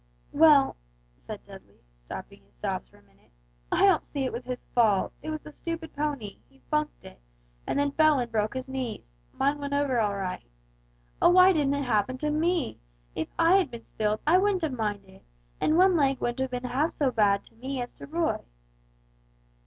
"Well," said Dudley, stopping his sobs for a minute; "I don't see it was his fault; it was the stupid pony; he funked it, and then fell and broke his knees; mine went over all right. Oh, why didn't it happen to me! If I had been spilled, I wouldn't have minded, and one leg wouldn't have been half so bad to me as to Roy!"